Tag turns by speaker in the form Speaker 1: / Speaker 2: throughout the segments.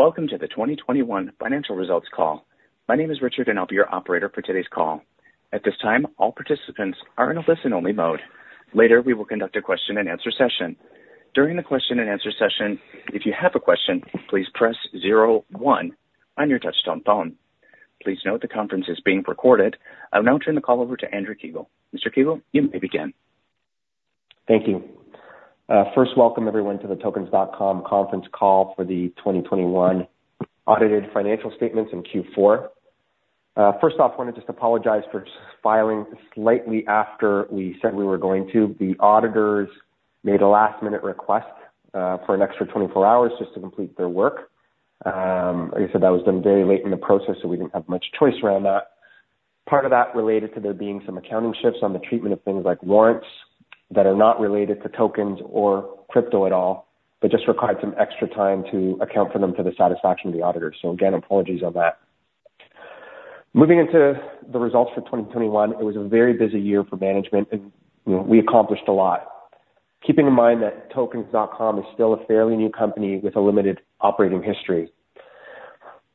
Speaker 1: Welcome to the 2021 financial results call. My name is Richard, and I'll be your operator for today's call. At this time, all participants are in a listen-only mode. Later, we will conduct a question-and-answer session. During the question-and-answer session, if you have a question, please press zero one on your touchtone phone. Please note the conference is being recorded. I'll now turn the call over to Andrew Kiguel. Mr. Kiguel, you may begin.
Speaker 2: Thank you. First, welcome everyone to the Tokens.com conference call for the 2021 audited financial statements in Q4. First off, I want to just apologize for filing slightly after we said we were going to. The auditors made a last-minute request for an extra 24 hours just to complete their work. Like I said, that was done very late in the process, so we didn't have much choice around that. Part of that related to there being some accounting shifts on the treatment of things like warrants that are not related to tokens or crypto at all, but just required some extra time to account for them for the satisfaction of the auditors. Again, apologies on that. Moving into the results for 2021, it was a very busy year for management and, you know, we accomplished a lot. Keeping in mind that Tokens.com is still a fairly new company with a limited operating history.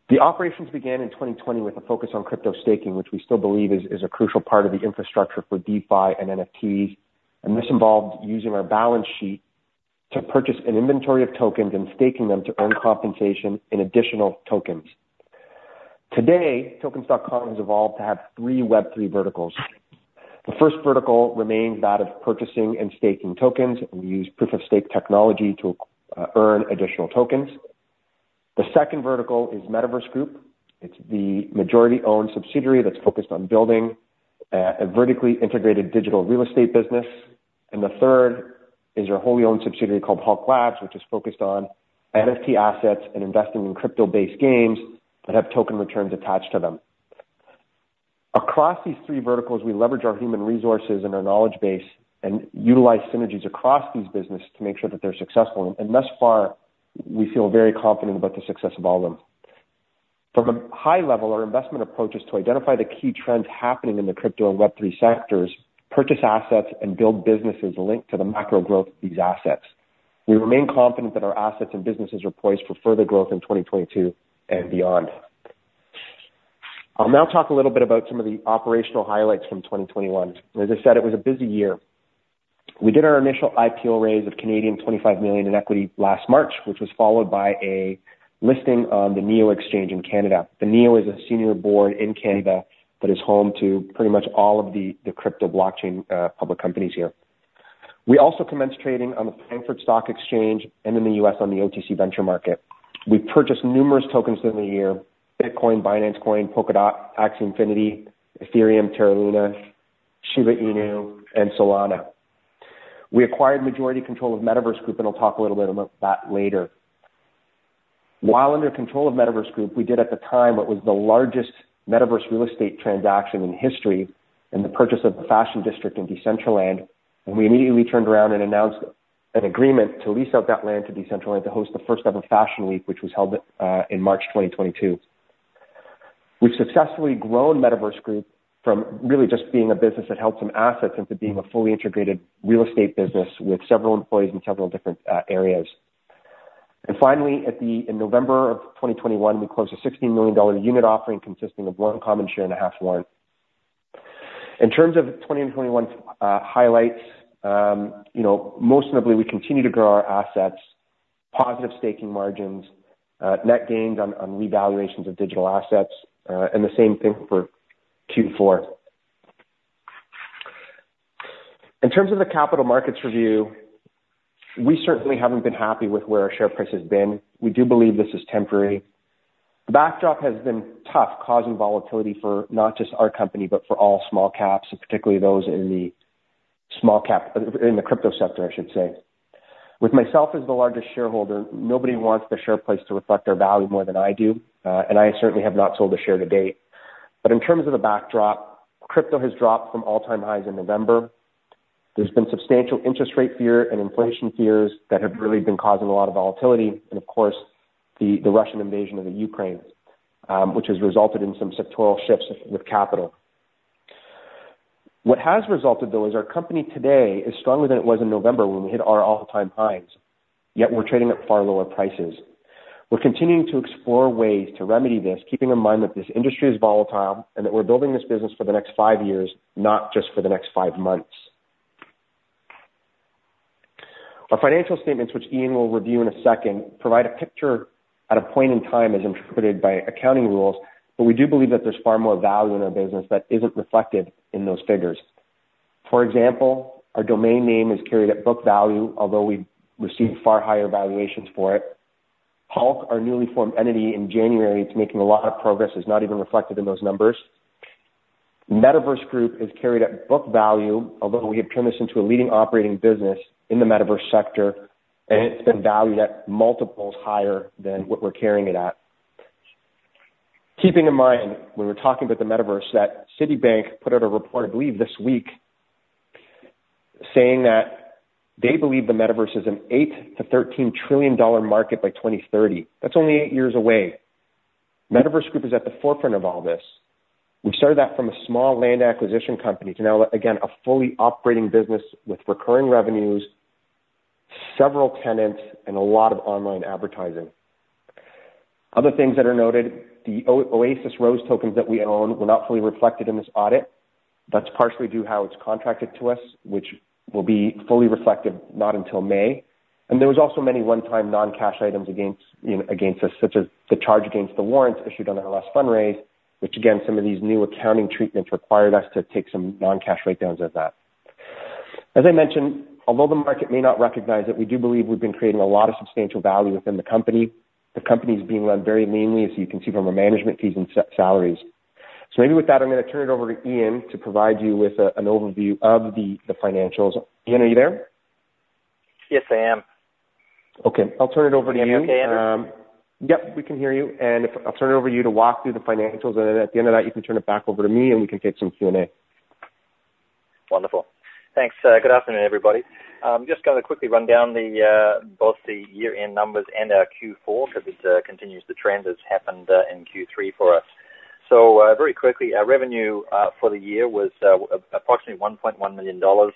Speaker 2: The operations began in 2020 with a focus on crypto staking, which we still believe is a crucial part of the infrastructure for DeFi and NFTs. This involved using our balance sheet to purchase an inventory of tokens and staking them to earn compensation in additional tokens. Today, Tokens.com has evolved to have three Web3 verticals. The first vertical remains that of purchasing and staking tokens. We use proof of stake technology to earn additional tokens. The second vertical is Metaverse Group. It's the majority-owned subsidiary that's focused on building a vertically integrated digital real estate business. The third is our wholly owned subsidiary called Hulk Labs, which is focused on NFT assets and investing in crypto-based games that have token returns attached to them. Across these three verticals, we leverage our human resources and our knowledge base and utilize synergies across these businesses to make sure that they're successful. Thus far, we feel very confident about the success of all of them. From a high level, our investment approach is to identify the key trends happening in the crypto and Web3 sectors, purchase assets, and build businesses linked to the macro growth of these assets. We remain confident that our assets and businesses are poised for further growth in 2022 and beyond. I'll now talk a little bit about some of the operational highlights from 2021. As I said, it was a busy year. We did our initial IPO raise of 25 million Canadian dollars in equity last March, which was followed by a listing on the NEO Exchange in Canada. The NEO Exchange is a senior board in Canada that is home to pretty much all of the crypto blockchain public companies here. We also commenced trading on the Frankfurt Stock Exchange and in the US on the OTCQB Venture Market. We've purchased numerous tokens within the year Bitcoin, Binance Coin, Polkadot, Axie Infinity, Ethereum, Terra Luna, Shiba Inu, and Solana. We acquired majority control of Metaverse Group, and I'll talk a little bit about that later. While under control of Metaverse Group, we did at the time what was the largest Metaverse real estate transaction in history, and the purchase of the Fashion District in Decentraland. We immediately turned around and announced an agreement to lease out that land to Decentraland to host the first-ever Fashion Week, which was held in March 2022. We've successfully grown Metaverse Group from really just being a business that held some assets into being a fully integrated real estate business with several employees in several different areas. Finally, in November of 2021, we closed a 60 million dollar unit offering consisting of one common share and a half warrant. In terms of 2021 highlights, you know, most notably, we continue to grow our assets, positive staking margins, net gains on revaluations of digital assets, and the same thing for Q4. In terms of the capital markets review, we certainly haven't been happy with where our share price has been. We do believe this is temporary. The backdrop has been tough, causing volatility for not just our company, but for all small caps, and particularly those in the crypto sector, I should say. With myself as the largest shareholder, nobody wants the share price to reflect their value more than I do. I certainly have not sold a share to date. In terms of the backdrop, crypto has dropped from all-time highs in November. There's been substantial interest rate fear and inflation fears that have really been causing a lot of volatility. Of course, the Russian invasion of the Ukraine, which has resulted in some sectoral shifts with capital. What has resulted, though, is our company today is stronger than it was in November when we hit our all-time highs, yet we're trading at far lower prices. We're continuing to explore ways to remedy this, keeping in mind that this industry is volatile and that we're building this business for the next five years, not just for the next five months. Our financial statements, which Ian will review in a second, provide a picture at a point in time as interpreted by accounting rules. We do believe that there's far more value in our business that isn't reflected in those figures. For example, our domain name is carried at book value, although we've received far higher valuations for it. Hulk Labs, our newly formed entity in January, it's making a lot of progress, is not even reflected in those numbers. Metaverse Group is carried at book value, although we have turned this into a leading operating business in the Metaverse sector, and it's been valued at multiples higher than what we're carrying it at. Keeping in mind when we're talking about the Metaverse, that Citi put out a report, I believe this week, saying that they believe the Metaverse is an $8 trillion-$13 trillion market by 2030. That's only eight years away. Metaverse Group is at the forefront of all this. We've started that from a small land acquisition company to now, again, a fully operating business with recurring revenues, several tenants, and a lot of online advertising. Other things that are noted, the Oasis ROSE tokens that we own were not fully reflected in this audit. That's partially due how it's contracted to us, which will be fully reflective not until May. There was also many one-time non-cash items against, you know, against us, such as the charge against the warrants issued on our last fundraise, which again, some of these new accounting treatments required us to take some non-cash write downs of that. As I mentioned, although the market may not recognize it, we do believe we've been creating a lot of substantial value within the company. The company is being run very leanly, as you can see from our management fees and salaries. Maybe with that, I'm gonna turn it over to Ian to provide you with an overview of the financials. Ian, are you there?
Speaker 3: Yes, I am.
Speaker 2: Okay. I'll turn it over to you.
Speaker 3: Can you hear me okay, Andrew?
Speaker 2: Yep, we can hear you. I'll turn it over to you to walk through the financials, and then at the end of that, you can turn it back over to me, and we can take some Q&A.
Speaker 3: Wonderful. Thanks. Good afternoon, everybody. Just gonna quickly run down both the year-end numbers and our Q4 'cause it continues the trend that's happened in Q3 for us. Very quickly, our revenue for the year was approximately 1.1 million dollars,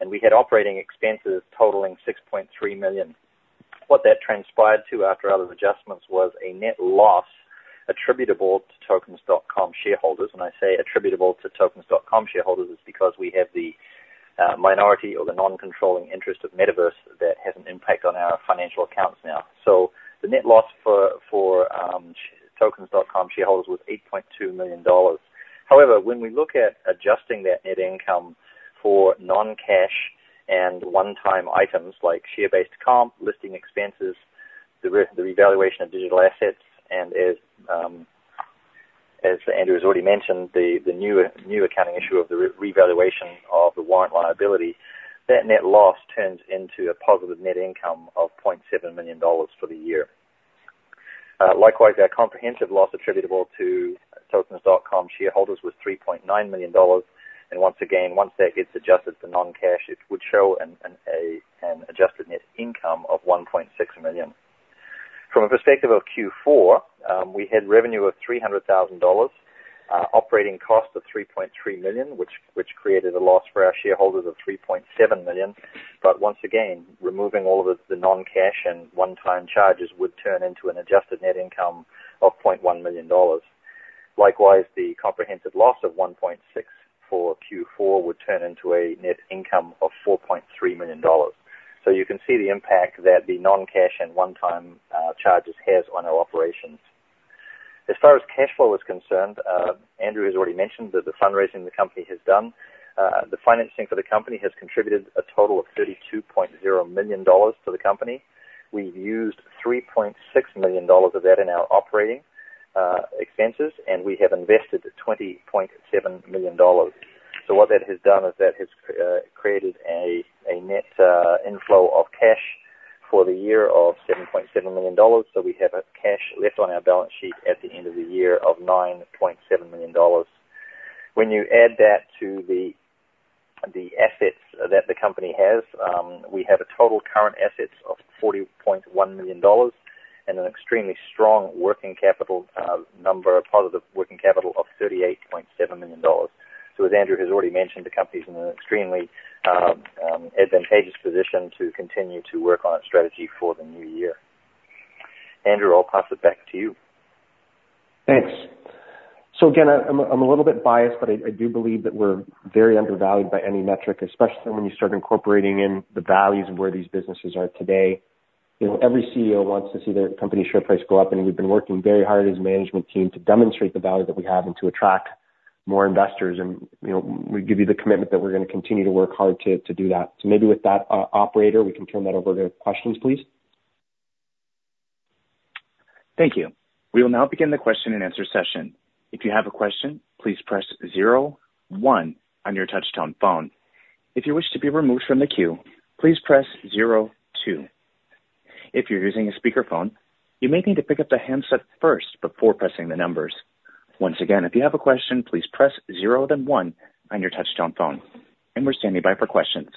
Speaker 3: and we had operating expenses totaling 6.3 million. What that transpired to after other adjustments was a net loss attributable to Tokens.com shareholders. When I say attributable to Tokens.com shareholders, it's because we have the minority or the non-controlling interest of Metaverse that has an impact on our financial accounts now. The net loss for Tokens.com shareholders was 8.2 million dollars. However, when we look at adjusting that net income for non-cash and one-time items like share-based comp, listing expenses, the revaluation of digital assets, and as Andrew has already mentioned, the new accounting issue of the revaluation of the warrant liability, that net loss turns into a positive net income of CAD 0.7 million for the year. Likewise, our comprehensive loss attributable to Tokens.com shareholders was 3.9 million dollars, and once again, once that gets adjusted to non-cash, it would show an adjusted net income of 1.6 million. From a perspective of Q4, we had revenue of 300,000 dollars, operating costs of 3.3 million, which created a loss for our shareholders of 3.7 million. Once again, removing all of the non-cash and one-time charges would turn into an adjusted net income of 0.1 million dollars. Likewise, the comprehensive loss of 1.6 million for Q4 would turn into a net income of 4.3 million dollars. You can see the impact that the non-cash and one-time charges has on our operations. As far as cash flow is concerned, Andrew has already mentioned that the fundraising the company has done, the financing for the company has contributed a total of 32.0 million dollars to the company. We've used 3.6 million dollars of that in our operating expenses, and we have invested 20.7 million dollars. What that has done is that has created a net inflow of cash for the year of $7.7 million. We have cash left on our balance sheet at the end of the year of $9.7 million. When you add that to the assets that the company has, we have total current assets of $40.1 million and an extremely strong working capital number, a positive working capital of $38.7 million. As Andrew has already mentioned, the company's in an extremely advantageous position to continue to work on its strategy for the new year. Andrew, I'll pass it back to you.
Speaker 2: Thanks. Again, I'm a little bit biased, but I do believe that we're very undervalued by any metric, especially when you start incorporating in the values of where these businesses are today. You know, every CEO wants to see their company share price go up, and we've been working very hard as a management team to demonstrate the value that we have and to attract more investors. You know, we give you the commitment that we're gonna continue to work hard to do that. Maybe with that, operator, we can turn that over to questions, please.
Speaker 1: Thank you. We will now begin the question-and-answer session. If you have a question, please press zero one on your touchtone phone. If you wish to be removed from the queue, please press zero two. If you're using a speakerphone, you may need to pick up the handset first before pressing the numbers. Once again, if you have a question, please press zero then one on your touchtone phone. We're standing by for questions.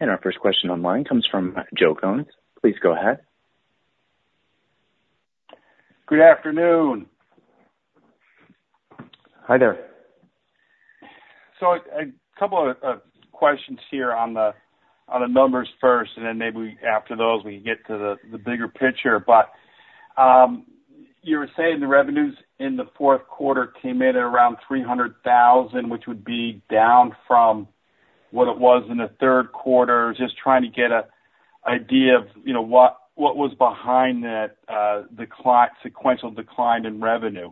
Speaker 1: Our first question online comes from Joe Jones. Please go ahead.
Speaker 4: Good afternoon.
Speaker 2: Hi there.
Speaker 4: A couple of questions here on the numbers first, and then maybe after those, we can get to the bigger picture. You were saying the revenues in the fourth quarter came in at around 300,000, which would be down from what it was in the third quarter. Just trying to get an idea of, you know, what was behind that, the sequential decline in revenue.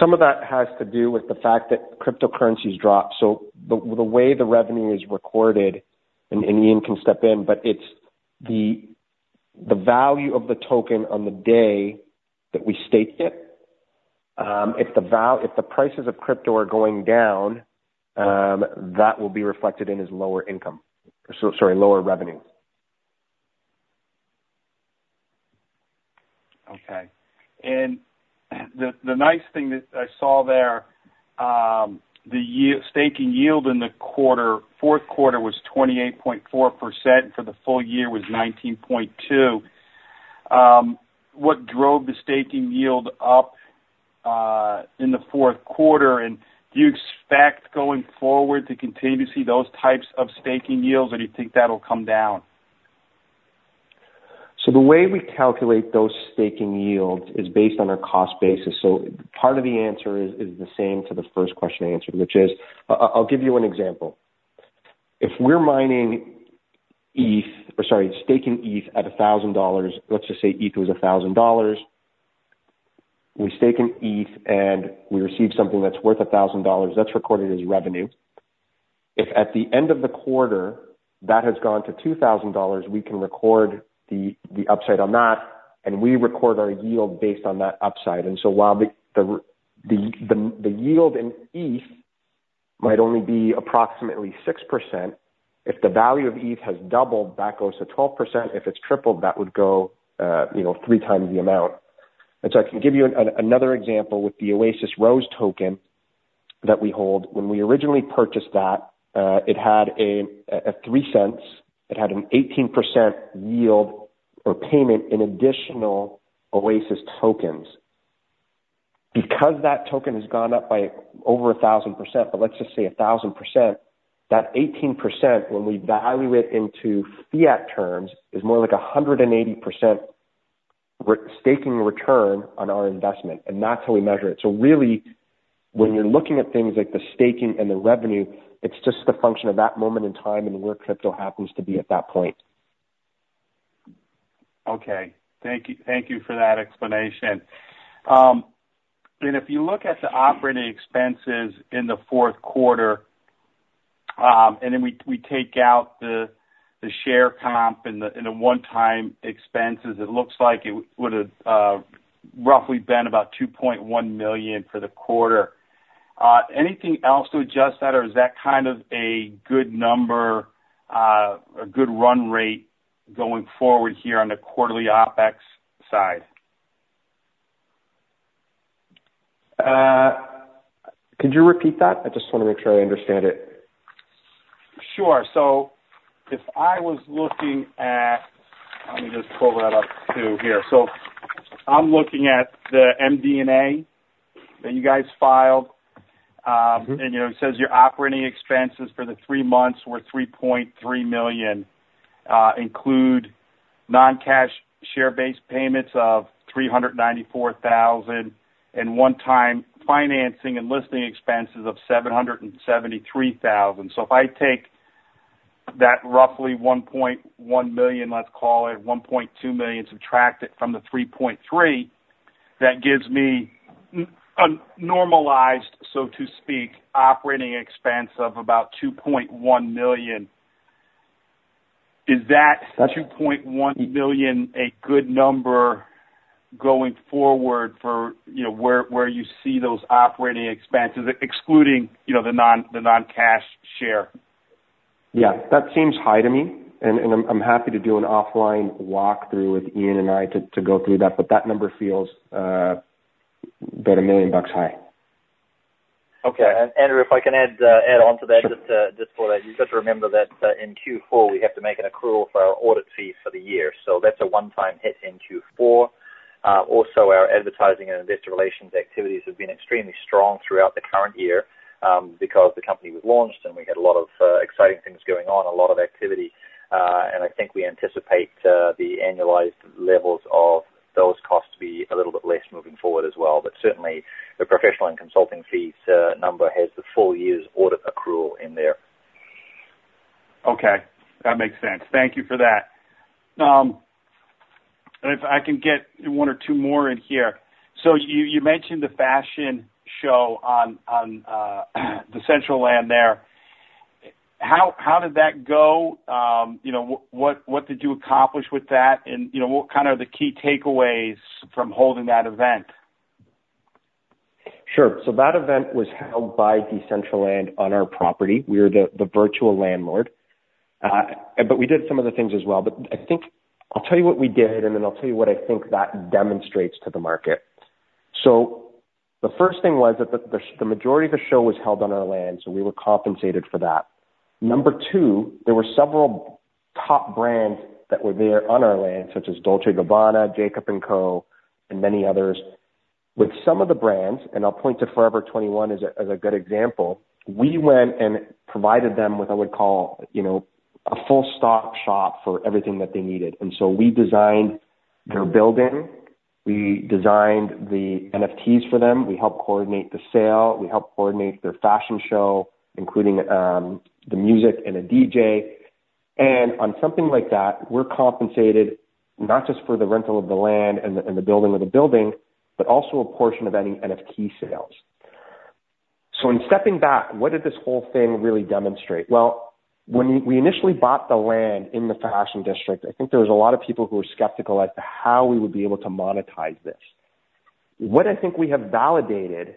Speaker 2: Some of that has to do with the fact that cryptocurrency's dropped. The way the revenue is recorded, and Ian can step in, but it's the value of the token on the day that we staked it. If the prices of crypto are going down, that will be reflected in his lower revenue.
Speaker 4: Okay. The nice thing that I saw there, the staking yield in the fourth quarter was 28.4%, for the full year was 19.2%. What drove the staking yield up in the fourth quarter? Do you expect going forward to continue to see those types of staking yields, or do you think that'll come down?
Speaker 2: The way we calculate those staking yields is based on our cost basis. Part of the answer is the same to the first question I answered, which is, I'll give you an example. If we're staking ETH at $1,000. Let's just say ETH was $1,000. We're staking ETH, and we receive something that's worth $1,000. That's recorded as revenue. If at the end of the quarter, that has gone to $2,000, we can record the upside on that, and we record our yield based on that upside. While the yield in ETH might only be approximately 6%, if the value of ETH has doubled, that goes to 12%. If it's tripled, that would go, you know, three times the amount. I can give you another example with the Oasis ROSE token that we hold. When we originally purchased that, it had a $0.03. It had an 18% yield or payment in additional Oasis ROSE tokens. Because that token has gone up by over 1000%, but let's just say 1000%, that 18%, when we value it into fiat terms, is more like 180% staking return on our investment, and that's how we measure it. Really, when you're looking at things like the staking and the revenue, it's just a function of that moment in time and where crypto happens to be at that point.
Speaker 4: Okay. Thank you, thank you for that explanation. If you look at the operating expenses in the fourth quarter, and then we take out the share comp and the one-time expenses, it looks like it would have roughly been about 2.1 million for the quarter. Anything else to adjust that, or is that kind of a good number, a good run rate going forward here on the quarterly OpEx side?
Speaker 2: Could you repeat that? I just wanna make sure I understand it.
Speaker 4: Sure. If I was looking at. Let me just pull that up too here. I'm looking at the MD&A that you guys filed.
Speaker 2: Mm-hmm.
Speaker 4: You know, it says your operating expenses for the three months were 3.3 million include non-cash share-based payments of 394,000 and one-time financing and listing expenses of 773,000. If I take that roughly 1.1 million, let's call it 1.2 million, subtract it from the 3.3, that gives me a normalized, so to speak, operating expense of about 2.1 million. Is that 2.1 million a good number going forward for, you know, where you see those operating expenses excluding, you know, the non-cash share?
Speaker 2: Yeah. That seems high to me, and I'm happy to do an offline walkthrough with Ian and I to go through that. That number feels about $1 million high.
Speaker 4: Okay.
Speaker 3: Andrew, if I can add on to that, just for that. You've got to remember that, in Q4, we have to make an accrual for our audit fees for the year. That's a one-time hit in Q4. Also our advertising and investor relations activities have been extremely strong throughout the current year, because the company was launched and we had a lot of exciting things going on, a lot of activity. I think we anticipate the annualized levels of those costs to be a little bit less moving forward as well. Certainly, the professional and consulting fees number has the full year's audit accrual in there.
Speaker 4: Okay. That makes sense. Thank you for that. If I can get one or two more in here. You mentioned the fashion show on Decentraland there. How did that go? You know, what did you accomplish with that? You know, what kinda are the key takeaways from holding that event?
Speaker 2: Sure. That event was held by Decentraland on our property. We are the virtual landlord. We did some other things as well. I think I'll tell you what we did, and then I'll tell you what I think that demonstrates to the market. The first thing was that the majority of the show was held on our land, so we were compensated for that. Number two, there were several top brands that were there on our land, such as Dolce & Gabbana, Jacob & Co., and many others. With some of the brands, and I'll point to Forever 21 as a good example, we went and provided them with all, you know, a fully stocked shop for everything that they needed. We designed their building, we designed the NFTs for them, we helped coordinate the sale, we helped coordinate their fashion show, including the music and a DJ. On something like that, we're compensated not just for the rental of the land and the building of the building, but also a portion of any NFT sales. In stepping back, what did this whole thing really demonstrate? Well, when we initially bought the land in the fashion district, I think there was a lot of people who were skeptical as to how we would be able to monetize this. What I think we have validated.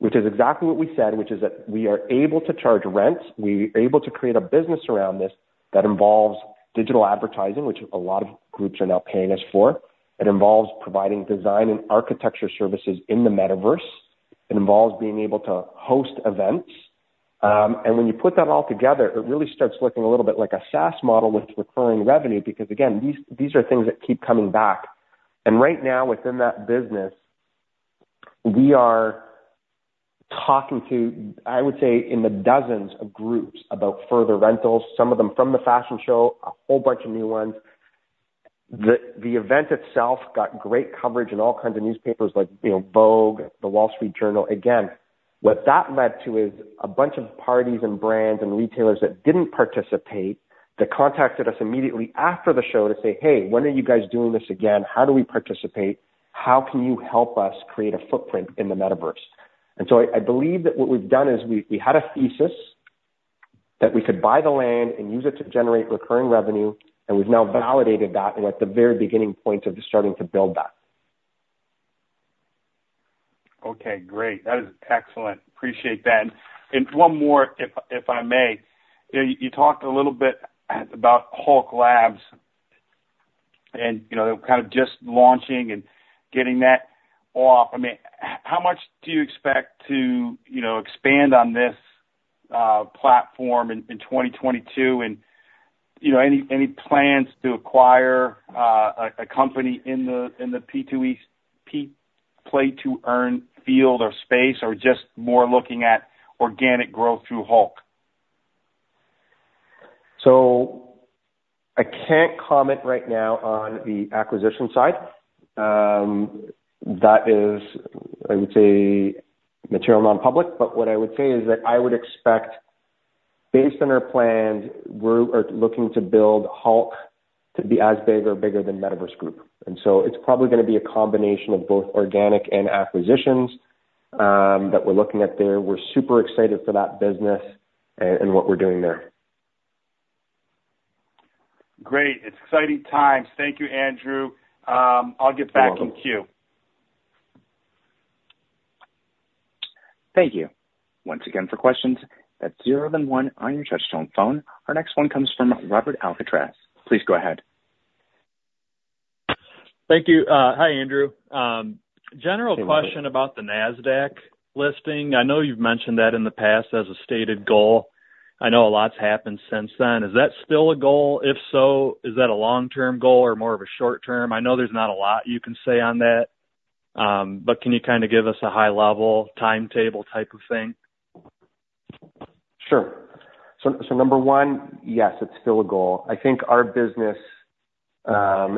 Speaker 2: Which is exactly what we said, which is that we are able to charge rents. We are able to create a business around this that involves digital advertising, which a lot of groups are now paying us for. It involves providing design and architecture services in the metaverse. It involves being able to host events. When you put that all together, it really starts looking a little bit like a SaaS model with recurring revenue because again, these are things that keep coming back. Right now, within that business, we are talking to, I would say, in the dozens of groups about further rentals, some of them from the fashion show, a whole bunch of new ones. The event itself got great coverage in all kinds of newspapers like, you know, Vogue, The Wall Street Journal. Again, what that led to is a bunch of parties and brands and retailers that didn't participate that contacted us immediately after the show to say, "Hey, when are you guys doing this again? How do we participate? How can you help us create a footprint in the metaverse?" I believe that what we've done is we had a thesis that we could buy the land and use it to generate recurring revenue, and we've now validated that and we're at the very beginning point of starting to build that.
Speaker 4: Okay, great. That is excellent. Appreciate that. One more if I may. You know, you talked a little bit about Hulk Labs and, you know, kind of just launching and getting that off. I mean, how much do you expect to, you know, expand on this platform in 2022? You know, any plans to acquire a company in the P2E, play-to-earn field or space or just more looking at organic growth through Hulk?
Speaker 2: I can't comment right now on the acquisition side. That is, I would say, material non-public. What I would say is that I would expect based on our plans, we're looking to build Hulk to be as big or bigger than Metaverse Group. It's probably gonna be a combination of both organic and acquisitions, that we're looking at there. We're super excited for that business and what we're doing there.
Speaker 4: Great. It's exciting times. Thank you, Andrew. I'll get back in queue.
Speaker 2: You're welcome.
Speaker 1: Thank you. Once again, for questions, that's zero then one on your touch-tone phone. Our next one comes from Robert Alcatraz. Please go ahead.
Speaker 5: Thank you. Hi, Andrew.
Speaker 2: Hey, Robert.
Speaker 5: General question about the Nasdaq listing. I know you've mentioned that in the past as a stated goal. I know a lot's happened since then. Is that still a goal? If so, is that a long-term goal or more of a short term? I know there's not a lot you can say on that, but can you kinda give us a high-level timetable type of thing?
Speaker 2: Sure. Number one, yes, it's still a goal. I think our business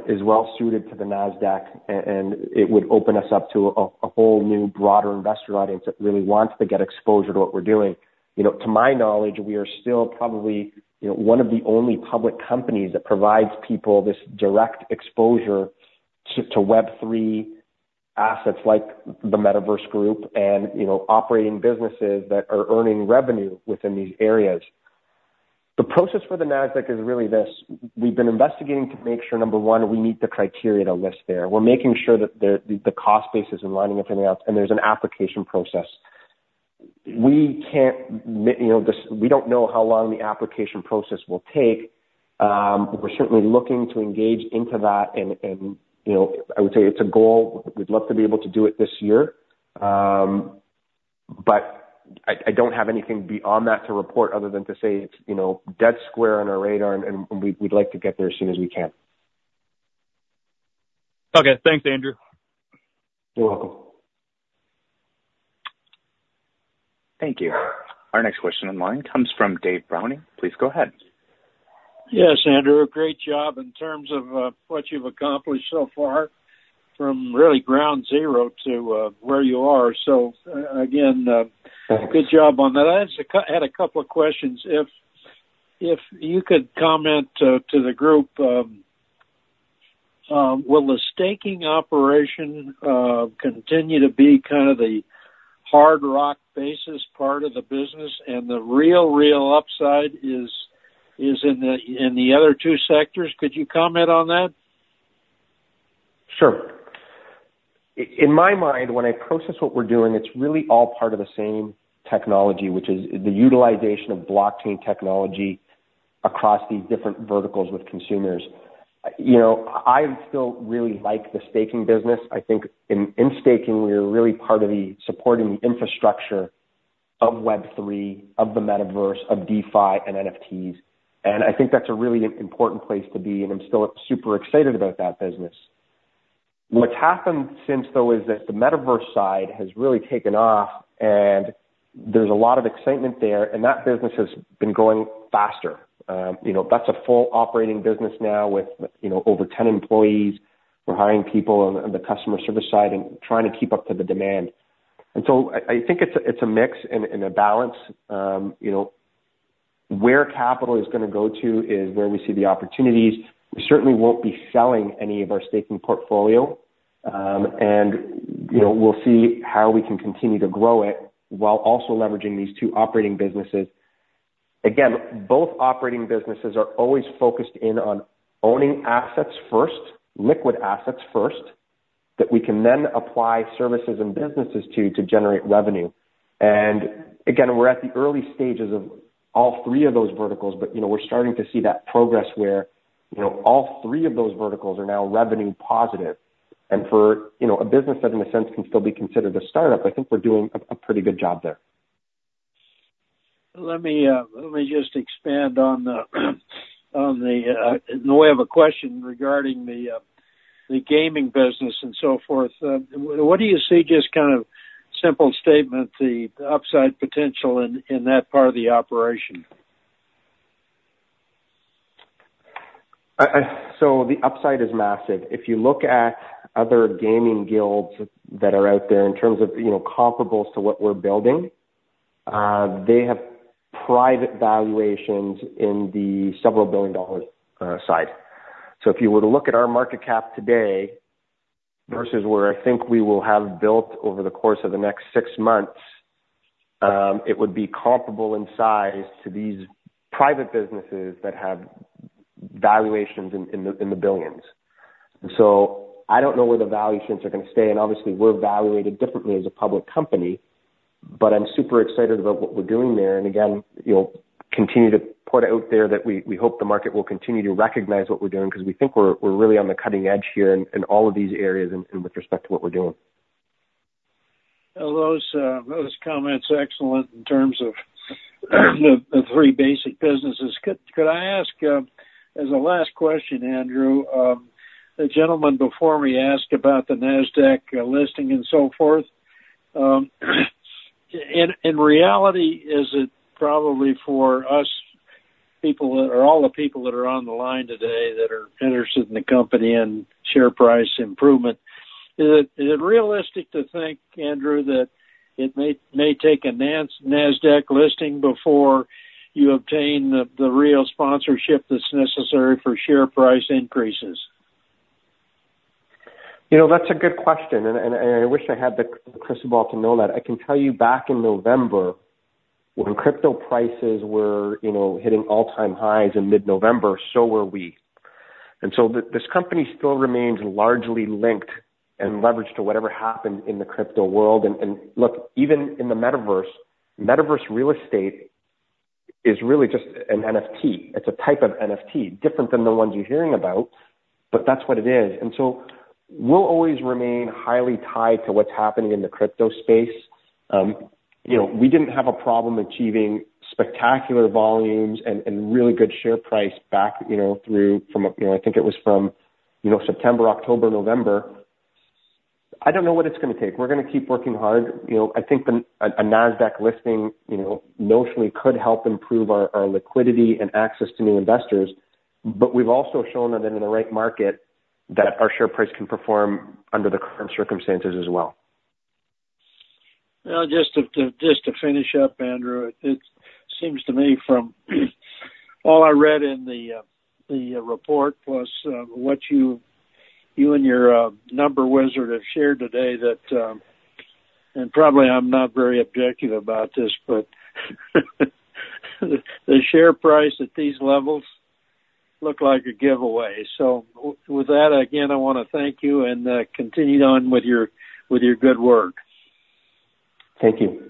Speaker 2: is well suited to the Nasdaq and it would open us up to a whole new broader investor audience that really wants to get exposure to what we're doing. You know, to my knowledge, we are still probably you know one of the only public companies that provides people this direct exposure to Web3 assets like the Metaverse Group and you know operating businesses that are earning revenue within these areas. The process for the Nasdaq is really this. We've been investigating to make sure, number one, we meet the criteria to list there. We're making sure that the cost base is in line with everything else, and there's an application process. We don't know how long the application process will take. We're certainly looking to engage in that and, you know, I would say it's a goal. We'd love to be able to do it this year. I don't have anything beyond that to report other than to say it's, you know, squarely on our radar and we'd like to get there as soon as we can.
Speaker 5: Okay. Thanks, Andrew.
Speaker 2: You're welcome.
Speaker 1: Thank you. Our next question in line comes from Dave Browning. Please go ahead.
Speaker 6: Yes, Andrew. Great job in terms of what you've accomplished so far from really ground zero to where you are.
Speaker 2: Thanks.
Speaker 6: Good job on that. I just had a couple of questions. If you could comment to the group, will the staking operation continue to be kind of the hardcore basis part of the business and the real upside is in the other two sectors? Could you comment on that?
Speaker 2: Sure. In my mind, when I process what we're doing, it's really all part of the same technology, which is the utilization of blockchain technology across these different verticals with consumers. You know, I still really like the staking business. I think in staking, we're really part of the supporting infrastructure of Web3, of the metaverse, of DeFi and NFTs, and I think that's a really important place to be, and I'm still super excited about that business. What's happened since, though, is that the metaverse side has really taken off and there's a lot of excitement there, and that business has been growing faster. You know, that's a full operating business now with, you know, over 10 employees. We're hiring people on the customer service side and trying to keep up to the demand. I think it's a mix and a balance. You know, where capital is gonna go to is where we see the opportunities. We certainly won't be selling any of our staking portfolio. You know, we'll see how we can continue to grow it while also leveraging these two operating businesses. Again, both operating businesses are always focused in on owning assets first, liquid assets first, that we can then apply services and businesses to generate revenue. We're at the early stages of all three of those verticals, but you know, we're starting to see that progress where you know, all three of those verticals are now revenue positive. For you know, a business that in a sense can still be considered a startup, I think we're doing a pretty good job there.
Speaker 6: No, I have a question regarding the gaming business and so forth. What do you see, just kind of simple statement, the upside potential in that part of the operation?
Speaker 2: The upside is massive. If you look at other gaming guilds that are out there in terms of, you know, comparables to what we're building, they have private valuations in the several billion dollars side. If you were to look at our market cap today versus where I think we will have built over the course of the next six months, it would be comparable in size to these private businesses that have valuations in the billions. I don't know where the valuations are gonna stay, and obviously we're evaluated differently as a public company, but I'm super excited about what we're doing there. Again, you know, continue to put out there that we hope the market will continue to recognize what we're doing because we think we're really on the cutting edge here in all of these areas and with respect to what we're doing.
Speaker 6: Well, those comments are excellent in terms of the three basic businesses. Could I ask, as a last question, Andrew, the gentleman before me asked about the Nasdaq listing and so forth. In reality, is it probably for us people or all the people that are on the line today that are interested in the company and share price improvement? Is it realistic to think, Andrew, that it may take a Nasdaq listing before you obtain the real sponsorship that's necessary for share price increases?
Speaker 2: You know, that's a good question, and I wish I had the crystal ball to know that. I can tell you back in November, when crypto prices were, you know, hitting all-time highs in mid-November, so were we. This company still remains largely linked and leveraged to whatever happened in the crypto world. Look, even in the Metaverse real estate is really just an NFT. It's a type of NFT, different than the ones you're hearing about, but that's what it is. We'll always remain highly tied to what's happening in the crypto space. You know, we didn't have a problem achieving spectacular volumes and really good share price back, you know, through September, October, November. I don't know what it's gonna take. We're gonna keep working hard. You know, I think the Nasdaq listing, you know, notionally could help improve our liquidity and access to new investors. We've also shown that in the right market that our share price can perform under the current circumstances as well.
Speaker 6: Well, just to finish up, Andrew, it seems to me from all I read in the report plus what you and your number wizard have shared today that, and probably I'm not very objective about this, but the share price at these levels look like a giveaway. With that, again, I wanna thank you and continue on with your good work.
Speaker 2: Thank you.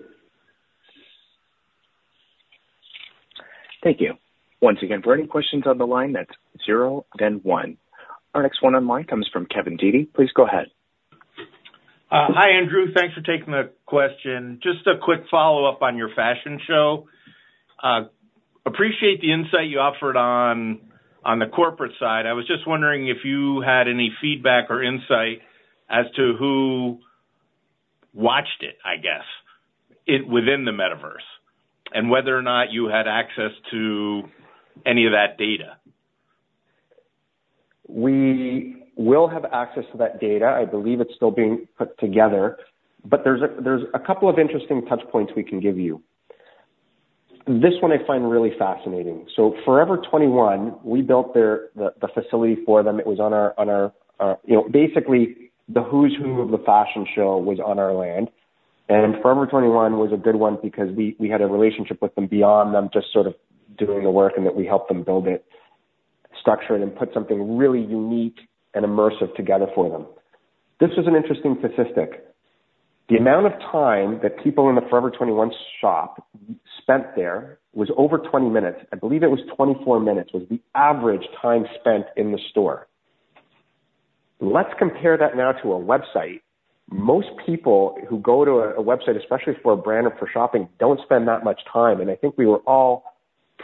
Speaker 1: Thank you. Once again, for any questions on the line, that's zero then one. Our next one on the line comes from Kevin Dede. Please go ahead.
Speaker 7: Hi, Andrew. Thanks for taking the question. Just a quick follow-up on your fashion show. Appreciate the insight you offered on the corporate side. I was just wondering if you had any feedback or insight as to who watched it, I guess, within the Metaverse and whether or not you had access to any of that data.
Speaker 2: We will have access to that data. I believe it's still being put together. There's a couple of interesting touch points we can give you. This one I find really fascinating. Forever 21, we built their the facility for them. It was on our, you know, basically, the who's who of the fashion show was on our land. Forever 21 was a good one because we had a relationship with them beyond them just sort of doing the work, and that we helped them build it, structure it, and put something really unique and immersive together for them. This was an interesting statistic. The amount of time that people in the Forever 21 shop spent there was over 20 minutes. I believe it was 24 minutes, was the average time spent in the store. Let's compare that now to a website. Most people who go to a website, especially for a brand or for shopping, don't spend that much time. I think we were all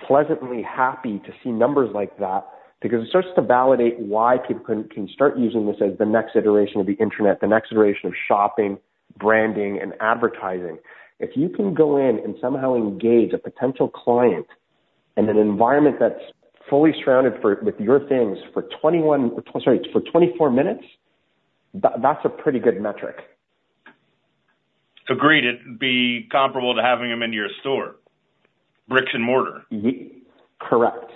Speaker 2: pleasantly happy to see numbers like that because it starts to validate why people can start using this as the next iteration of the Internet, the next iteration of shopping, branding, and advertising. If you can go in and somehow engage a potential client in an environment that's fully surrounded with your things for 24 minutes, that's a pretty good metric.
Speaker 7: Agreed. It'd be comparable to having them into your store, bricks and mortar.
Speaker 2: Correct.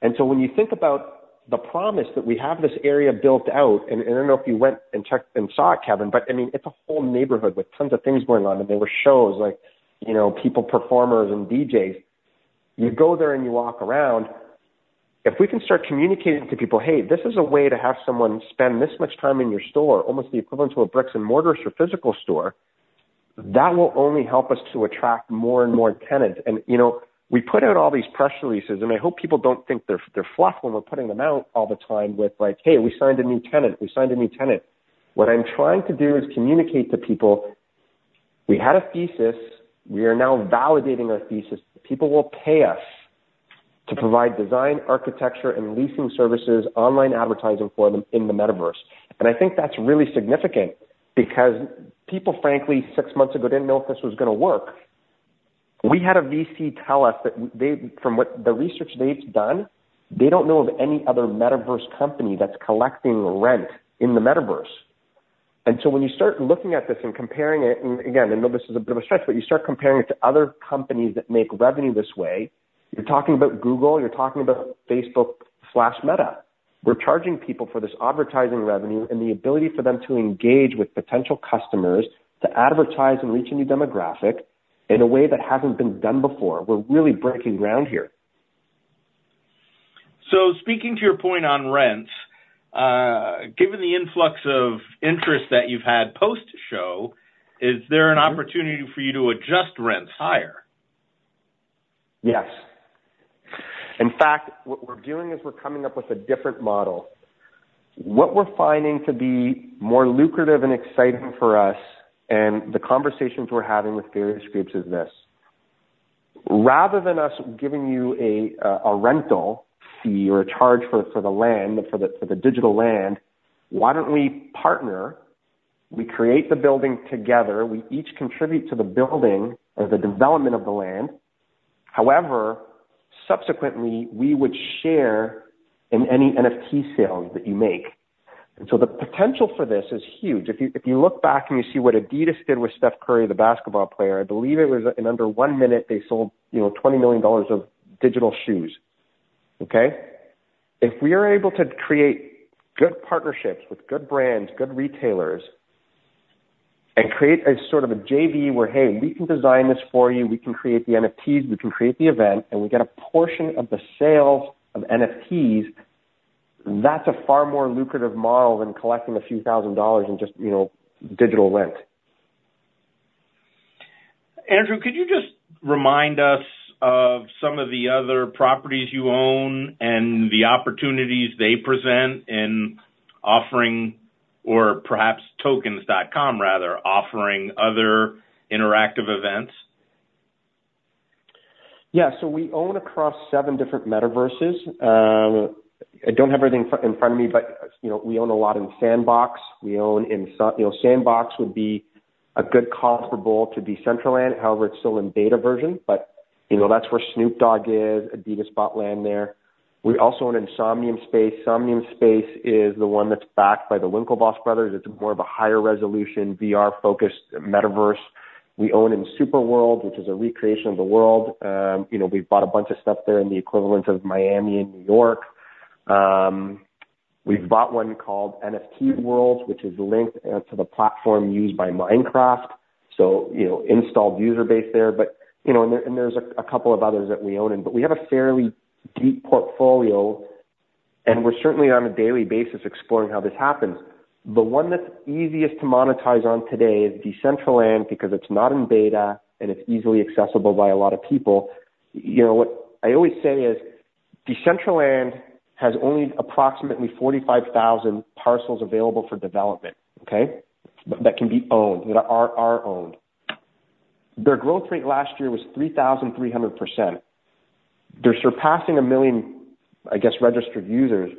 Speaker 2: When you think about the promise that we have this area built out, and I don't know if you went and checked and saw it, Kevin, but I mean, it's a whole neighborhood with tons of things going on. There were shows like, you know, people, performers and DJs. You go there and you walk around. If we can start communicating to people, "Hey, this is a way to have someone spend this much time in your store, almost the equivalent to a bricks and mortars or physical store," that will only help us to attract more and more tenants. You know, we put out all these press releases, and I hope people don't think they're fluff when we're putting them out all the time with like, "Hey, we signed a new tenant. We signed a new tenant." What I'm trying to do is communicate to people we had a thesis. We are now validating our thesis that people will pay us to provide design, architecture and leasing services, online advertising for them in the metaverse. I think that's really significant because people, frankly, six months ago didn't know if this was gonna work. We had a VC tell us from what the research they've done, they don't know of any other metaverse company that's collecting rent in the metaverse. When you start looking at this and comparing it, and again, I know this is a bit of a stretch, but you start comparing it to other companies that make revenue this way. You're talking about Google, you're talking about Facebook/Meta. We're charging people for this advertising revenue and the ability for them to engage with potential customers to advertise and reach a new demographic in a way that hasn't been done before. We're really breaking ground here.
Speaker 7: Speaking to your point on rents, given the influx of interest that you've had post-show, is there an opportunity for you to adjust rents higher?
Speaker 2: Yes. In fact, what we're doing is we're coming up with a different model. What we're finding to be more lucrative and exciting for us, and the conversations we're having with various groups is this: Rather than us giving you a rental fee or a charge for the digital land, why don't we partner? We create the building together. We each contribute to the building or the development of the land. However, subsequently, we would share in any NFT sales that you make. The potential for this is huge. If you look back and you see what Adidas did with Steph Curry, the basketball player, I believe it was in under one minute, they sold, you know, $20 million of digital shoes, okay? If we are able to create good partnerships with good brands, good retailers, and create a sort of a JV where, hey, we can design this for you, we can create the NFTs, we can create the event, and we get a portion of the sales of NFTs, that's a far more lucrative model than collecting a few thousand dollars in just, you know, digital rent.
Speaker 7: Andrew, could you just remind us of some of the other properties you own and the opportunities they present in offering or perhaps Tokens.com rather offering other interactive events?
Speaker 2: Yeah. We own across seven different metaverses. I don't have everything in front of me, but you know, we own a lot in Sandbox. We own in Sandbox. You know, Sandbox would be a good comparable to Decentraland. However, it's still in beta version, but you know, that's where Snoop Dogg is. Adidas bought land there. We also own Somnium Space. Somnium Space is the one that's backed by the Winklevoss brothers. It's more of a higher resolution, VR-focused metaverse. We own in SuperWorld, which is a recreation of the world. You know, we bought a bunch of stuff there in the equivalent of Miami and New York. We've bought one called NFT Worlds, which is linked to the platform used by Minecraft. You know, installed user base there. You know, there's a couple of others that we own in. We have a fairly deep portfolio, and we're certainly on a daily basis exploring how this happens. The one that's easiest to monetize on today is Decentraland because it's not in beta and it's easily accessible by a lot of people. You know, what I always say is Decentraland has only approximately 45,000 parcels available for development, okay? That can be owned. That are owned. Their growth rate last year was 3,300%. They're surpassing one million, I guess, registered users.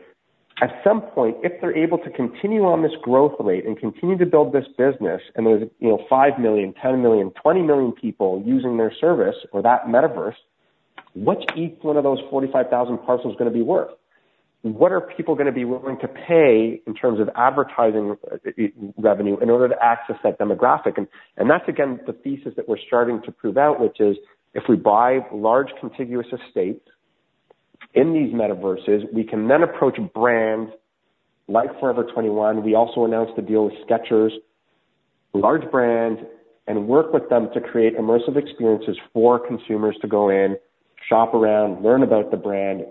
Speaker 2: At some point, if they're able to continue on this growth rate and continue to build this business, and there's, you know, five million, 10 million, 20 million people using their service or that metaverse, what's each one of those 45,000 parcels gonna be worth? What are people gonna be willing to pay in terms of advertising revenue in order to access that demographic? That's again the thesis that we're starting to prove out, which is if we buy large contiguous estates in these metaverses, we can then approach brands like Forever 21. We also announced a deal with Skechers, large brands, and work with them to create immersive experiences for consumers to go in, shop around, learn about the brand.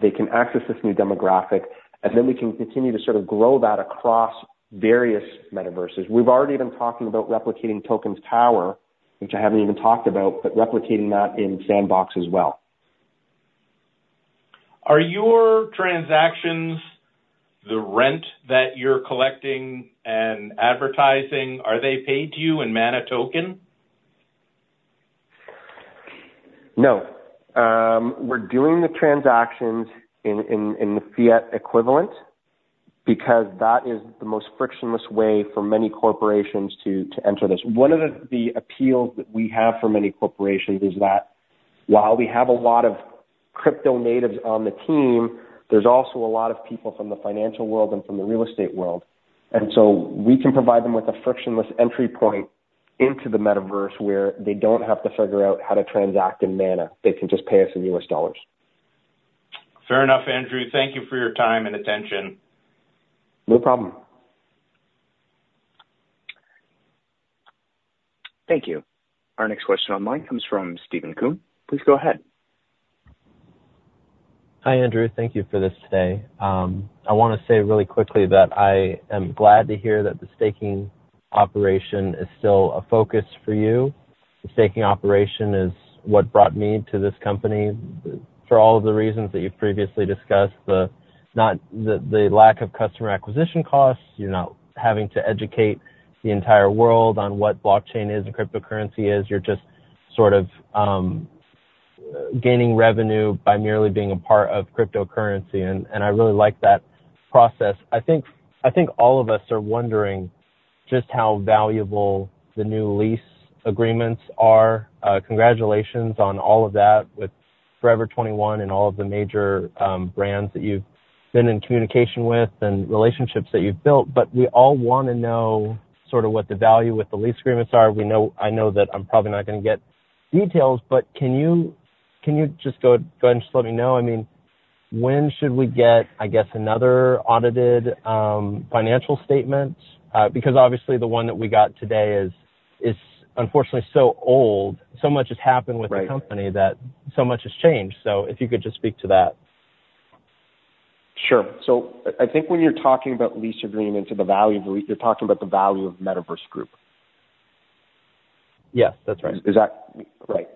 Speaker 2: They can access this new demographic, and then we can continue to sort of grow that across various metaverses. We've already been talking about replicating Tokens.com Tower, which I haven't even talked about, but replicating that in Sandbox as well.
Speaker 7: Are your transactions, the rent that you're collecting and advertising, are they paid to you in MANA token?
Speaker 2: No. We're doing the transactions in the fiat equivalent because that is the most frictionless way for many corporations to enter this. One of the appeals that we have for many corporations is that while we have a lot of crypto natives on the team, there's also a lot of people from the financial world and from the real estate world. We can provide them with a frictionless entry point into the Metaverse where they don't have to figure out how to transact in MANA. They can just pay us in US dollars.
Speaker 7: Fair enough, Andrew. Thank you for your time and attention.
Speaker 2: No problem.
Speaker 1: Thank you. Our next question online comes from Steven Kuhn. Please go ahead.
Speaker 8: Hi, Andrew. Thank you for this today. I wanna say really quickly that I am glad to hear that the staking operation is still a focus for you. The staking operation is what brought me to this company for all of the reasons that you've previously discussed. Not the lack of customer acquisition costs. You're not having to educate the entire world on what blockchain is and cryptocurrency is. You're just sort of gaining revenue by merely being a part of cryptocurrency, and I really like that process. I think all of us are wondering just how valuable the new lease agreements are. Congratulations on all of that with Forever 21 and all of the major brands that you've been in communication with and relationships that you've built. We all wanna know sort of what the value with the lease agreements are. We know. I know that I'm probably not gonna get details, but can you just go ahead and let me know? I mean, when should we get, I guess, another audited financial statement? Because obviously the one that we got today is unfortunately so old. Much has happened with
Speaker 2: Right.
Speaker 8: The company that so much has changed. If you could just speak to that.
Speaker 2: Sure. I think when you're talking about lease agreements or the value of the lease, you're talking about the value of Metaverse Group.
Speaker 8: Yes, that's right.
Speaker 2: Is that right?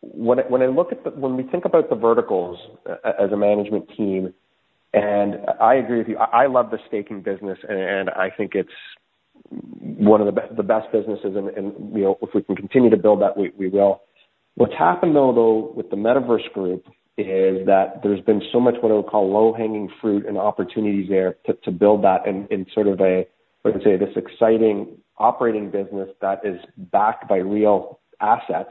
Speaker 2: When we think about the verticals as a management team, and I agree with you, I love the staking business and I think it's one of the best businesses and, you know, if we can continue to build that, we will. What's happened though with the Metaverse Group is that there's been so much what I would call low-hanging fruit and opportunity there to build that in sort of a, let's say, this exciting operating business that is backed by real assets.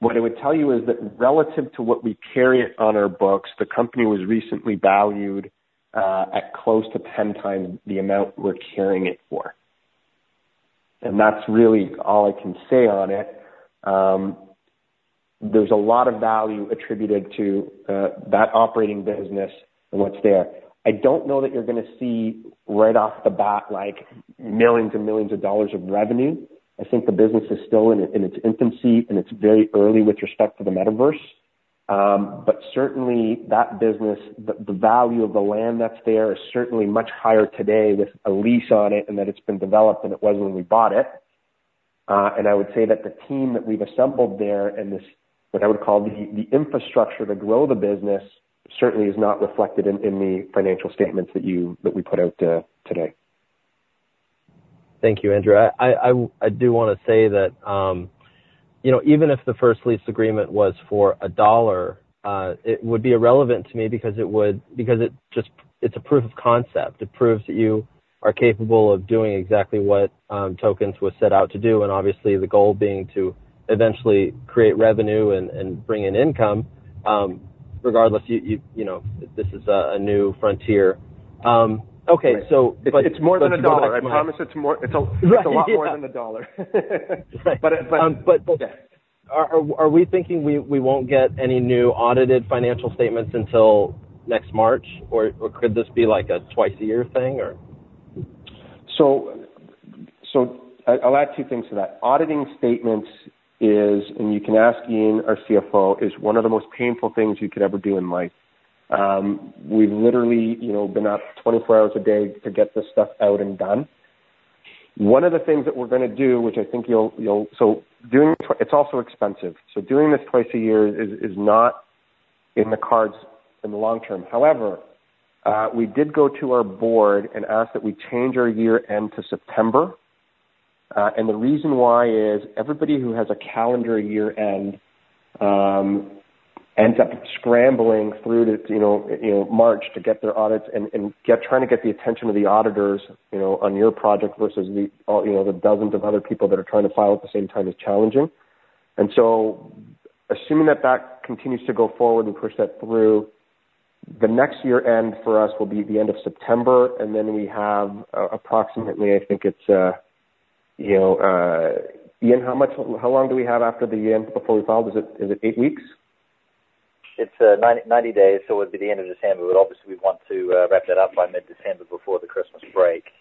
Speaker 2: What I would tell you is that relative to what we carry on our books, the company was recently valued at close to 10 times the amount we're carrying it for. That's really all I can say on it. There's a lot of value attributed to that operating business and what's there. I don't know that you're gonna see right off the bat, like millions and millions of dollars of revenue. I think the business is still in its infancy, and it's very early with respect to the Metaverse. Certainly that business, the value of the land that's there is certainly much higher today with a lease on it and that it's been developed than it was when we bought it. I would say that the team that we've assembled there and this, what I would call the infrastructure to grow the business certainly is not reflected in the financial statements that we put out today.
Speaker 8: Thank you, Andrew. I do wanna say that, you know, even if the first lease agreement was for a dollar, it would be irrelevant to me because it's just a proof of concept. It proves that you are capable of doing exactly what Tokens was set out to do, and obviously the goal being to eventually create revenue and bring in income. Regardless, you know, this is a new frontier. Okay.
Speaker 2: Right.
Speaker 8: So.
Speaker 2: It's more than $1. I promise it's more.
Speaker 8: Right.
Speaker 2: It's a lot more than a dollar.
Speaker 8: Right.
Speaker 2: Okay.
Speaker 8: Are we thinking we won't get any new audited financial statements until next March? Or could this be like a twice a year thing or?
Speaker 2: I'll add two things to that. Auditing statements, and you can ask Ian, our CFO, is one of the most painful things you could ever do in life. We've literally, you know, been up 24 hours a day to get this stuff out and done. One of the things that we're gonna do, which I think you'll. It's also expensive. Doing this twice a year is not in the cards in the long term. However, we did go to our board and ask that we change our year-end to September. The reason why is everybody who has a calendar year-end ends up scrambling through to, you know, March to get their audits and trying to get the attention of the auditors, you know, on your project versus the, you know, the dozens of other people that are trying to file at the same time is challenging. Assuming that that continues to go forward and push that through, the next year-end for us will be the end of September, and then we have approximately I think it's, you know, Ian, how long do we have after the end before we file? Is it eight weeks?
Speaker 3: It's 90 days, so it would be the end of December. We'd obviously want to wrap that up by mid-December before the Christmas break.
Speaker 2: Right.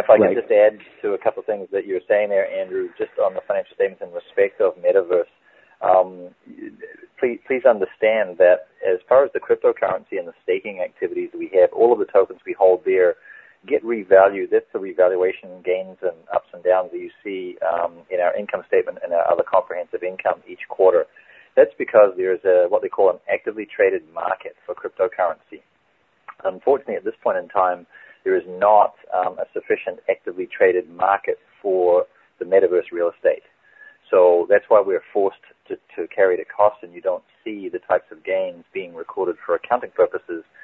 Speaker 3: If I can just add to a couple things that you were saying there, Andrew, just on the financial statements in respect of Metaverse. Please understand that as far as the cryptocurrency and the staking activities we have, all of the tokens we hold there get revalued. That's the revaluation gains and ups and downs that you see in our income statement and our other comprehensive income each quarter. That's because there's what they call an actively traded market for cryptocurrency. Unfortunately, at this point in time, there is not a sufficient actively traded market for the Metaverse real estate. So that's why we're forced to carry the cost, and you don't see the types of gains being recorded for accounting purposes that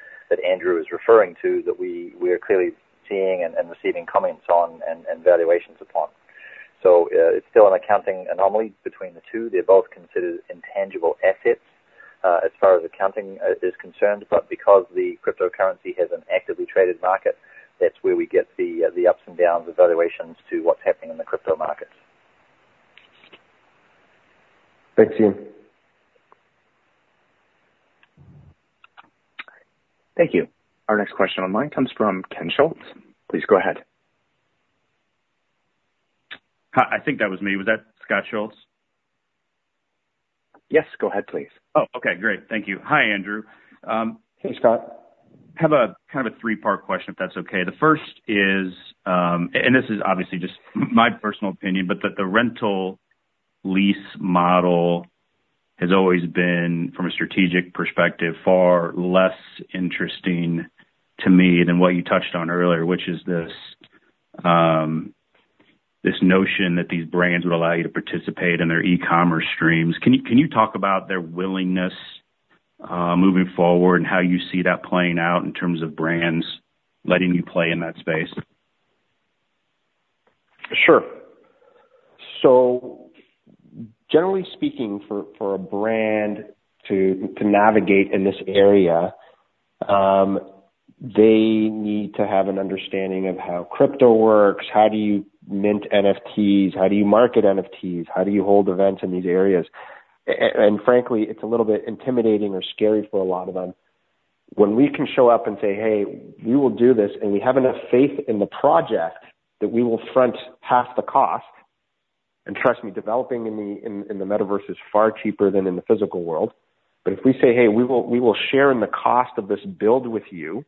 Speaker 3: Andrew is referring to that we're clearly seeing and receiving comments on and valuations upon.
Speaker 2: It's still an accounting anomaly between the two. They're both considered intangible assets, as far as accounting is concerned. Because the cryptocurrency has an actively traded market, that's where we get the ups and downs of valuations to what's happening in the crypto market.
Speaker 8: Thanks, Ian.
Speaker 1: Thank you. Our next question on the line comes from Ken Scholz. Please go ahead.
Speaker 9: Hi, I think that was me. Was that Scott Scholz?
Speaker 1: Yes, go ahead please.
Speaker 9: Oh, okay. Great. Thank you. Hi, Andrew.
Speaker 2: Hey, Scott.
Speaker 9: Have a kind of a three-part question, if that's okay. The first is, this is obviously just my personal opinion, but the rental lease model has always been, from a strategic perspective, far less interesting to me than what you touched on earlier, which is this notion that these brands would allow you to participate in their e-commerce streams. Can you talk about their willingness moving forward and how you see that playing out in terms of brands letting you play in that space?
Speaker 2: Sure. Generally speaking, for a brand to navigate in this area, they need to have an understanding of how crypto works. How do you mint NFTs? How do you market NFTs? How do you hold events in these areas? And frankly, it's a little bit intimidating or scary for a lot of them. When we can show up and say, "Hey, we will do this," and we have enough faith in the project that we will front half the cost, and trust me, developing in the Metaverse is far cheaper than in the physical world. If we say, "Hey, we will share in the cost of this build with you,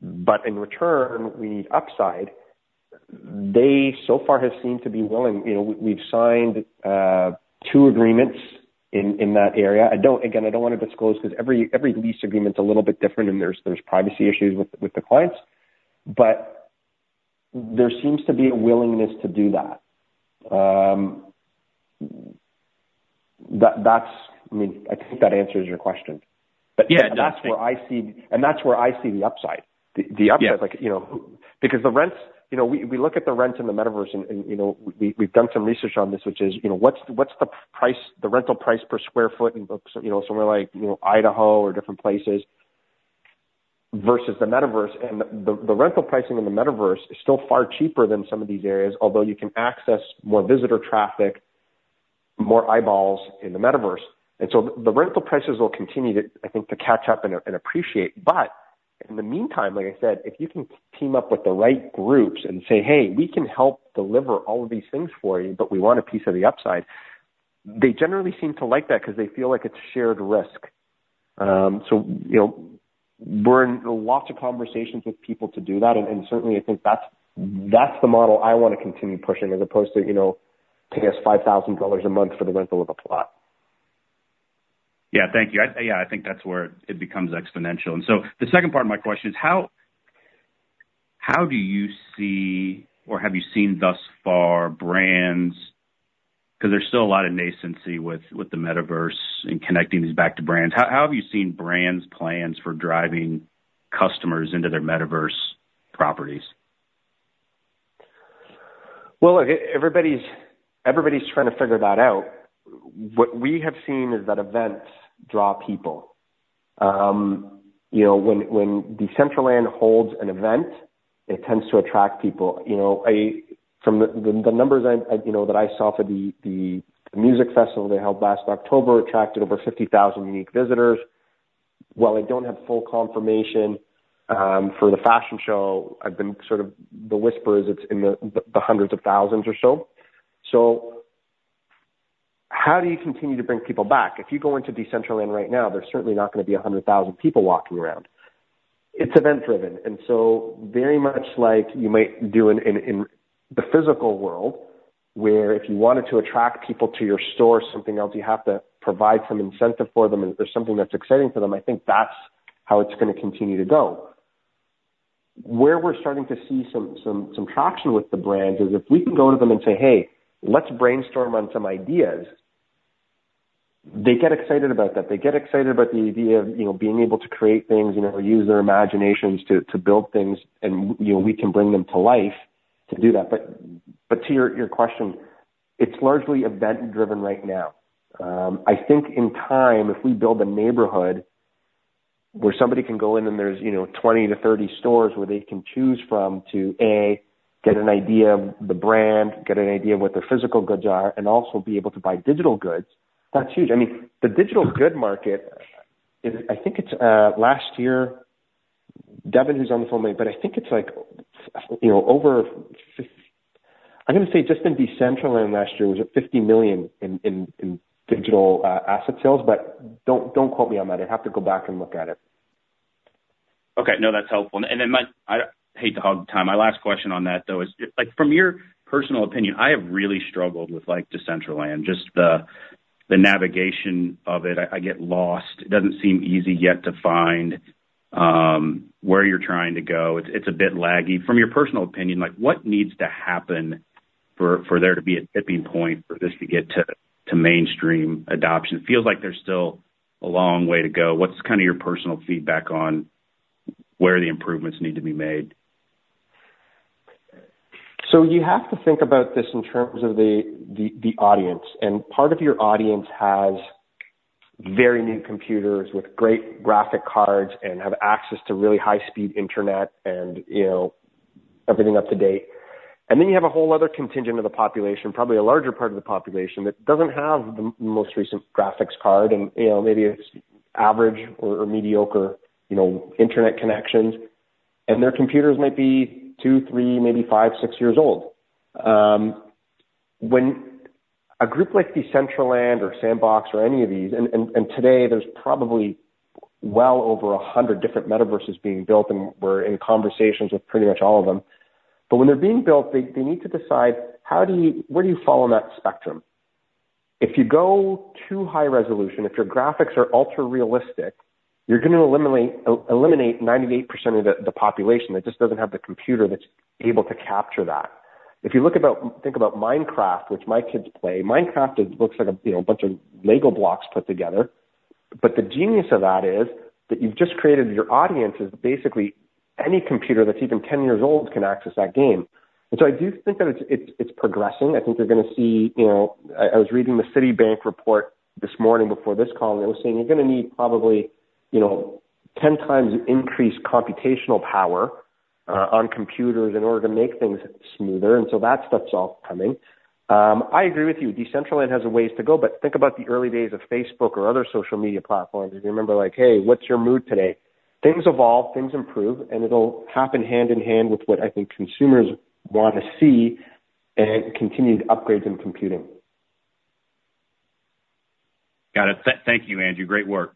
Speaker 2: but in return we need upside," they so far have seemed to be willing. We've signed two agreements in that area. Again, I don't wanna disclose because every lease agreement's a little bit different and there's privacy issues with the clients. There seems to be a willingness to do that. That's. I mean, I think that answers your question.
Speaker 9: Yeah.
Speaker 2: That's where I see the upside. The upside.
Speaker 9: Yeah.
Speaker 2: Like, you know, because the rents, you know, we look at the rents in the Metaverse and, you know, we've done some research on this, which is, you know, what's the price, the rental price per square foot in, you know, somewhere like, you know, Idaho or different places versus the Metaverse. The rental pricing in the Metaverse is still far cheaper than some of these areas, although you can access more visitor traffic, more eyeballs in the Metaverse. The rental prices will continue to, I think, catch up and appreciate. In the meantime, like I said, if you can team up with the right groups and say, "Hey, we can help deliver all of these things for you, but we want a piece of the upside," they generally seem to like that because they feel like it's shared risk. You know, we're in lots of conversations with people to do that. Certainly I think that's the model I wanna continue pushing as opposed to, you know, pay us 5,000 dollars a month for the rental of a plot.
Speaker 9: Yeah. Thank you. Yeah, I think that's where it becomes exponential. The second part of my question is: How do you see or have you seen thus far brands—'cause there's still a lot of nascency with the metaverse and connecting these back to brands. How have you seen brands' plans for driving customers into their metaverse properties?
Speaker 2: Well, everybody's trying to figure that out. What we have seen is that events draw people. When Decentraland holds an event, it tends to attract people. From the numbers that I saw for the music festival they held last October attracted over 50,000 unique visitors. While I don't have full confirmation for the fashion show, the whisper is it's in the hundreds of thousands or so. How do you continue to bring people back? If you go into Decentraland right now, there's certainly not gonna be 100,000 people walking around. It's event-driven, and so very much like you might do in the physical world, where if you wanted to attract people to your store or something else, you have to provide some incentive for them or something that's exciting for them. I think that's how it's gonna continue to go. Where we're starting to see some traction with the brands is if we can go to them and say, "Hey, let's brainstorm on some ideas," they get excited about that. They get excited about the idea of, you know, being able to create things, you know, use their imaginations to build things and, you know, we can bring them to life to do that. But to your question, it's largely event-driven right now. I think in time, if we build a neighborhood where somebody can go in and there's, you know, 20-30 stores where they can choose from to, A, get an idea of the brand, get an idea of what their physical goods are, and also be able to buy digital goods, that's huge. I mean, the digital good market is. I think it's last year, Devin, who's on the phone maybe, but I think it's like, you know, I'm gonna say just in Decentraland last year was at $50 million in digital asset sales. But don't quote me on that. I'd have to go back and look at it.
Speaker 9: Okay. No, that's helpful. I hate to hog time. My last question on that, though, is like, from your personal opinion, I have really struggled with like Decentraland, just the navigation of it. I get lost. It doesn't seem easy yet to find where you're trying to go. It's a bit laggy. From your personal opinion, like what needs to happen for there to be a tipping point for this to get to mainstream adoption? It feels like there's still a long way to go. What's kinda your personal feedback on that? Where the improvements need to be made.
Speaker 2: You have to think about this in terms of the audience. Part of your audience has very new computers with great graphics cards and have access to really high speed internet and, you know, everything up to date. Then you have a whole other contingent of the population, probably a larger part of the population, that doesn't have the most recent graphics card. You know, maybe it's average or mediocre, you know, internet connections. Their computers might be two, three, maybe five, six years old. When a group like Decentraland or Sandbox or any of these, today there's probably well over 100 different metaverses being built, and we're in conversations with pretty much all of them. When they're being built, they need to decide where do you fall on that spectrum? If you go too high resolution, if your graphics are ultra-realistic, you're gonna eliminate 98% of the population that just doesn't have the computer that's able to capture that. If you think about Minecraft, which my kids play, Minecraft looks like a you know bunch of Lego blocks put together. But the genius of that is that you've just created, your audience is basically any computer that's even 10 years old can access that game. I do think that it's progressing. I think you're gonna see. You know, I was reading the Citi report this morning before this call, and it was saying you're gonna need probably, you know, 10 times increased computational power on computers in order to make things smoother. That stuff's all coming. I agree with you. Decentraland has a ways to go, but think about the early days of Facebook or other social media platforms. If you remember, like, "Hey, what's your mood today?" Things evolve, things improve, and it'll happen hand in hand with what I think consumers want to see and continued upgrades in computing.
Speaker 9: Got it. Thank you, Andrew. Great work.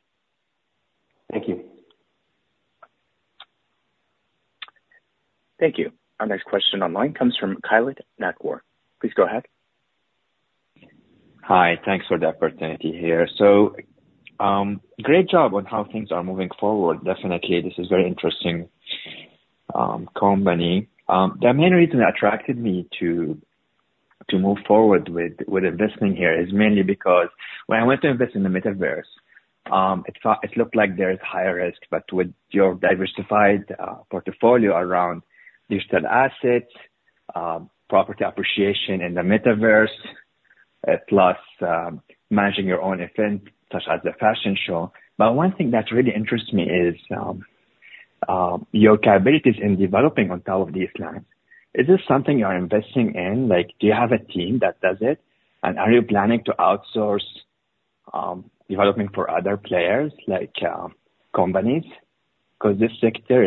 Speaker 2: Thank you.
Speaker 1: Thank you. Our next question online comes from Kyla Nakur. Please go ahead.
Speaker 10: Hi. Thanks for the opportunity here. Great job on how things are moving forward. Definitely, this is very interesting company. The main reason that attracted me to move forward with investing here is mainly because when I went to invest in the Metaverse, it looked like there is higher risk, but with your diversified portfolio around digital assets, property appreciation in the Metaverse, plus managing your own event such as the fashion show. One thing that really interests me is your capabilities in developing on top of these lands. Is this something you are investing in? Like, do you have a team that does it? Are you planning to outsource development for other players like companies? 'Cause this sector